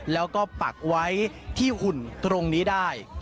แล้วก็ปักไว้ที่หุ่นตรงนี้ได้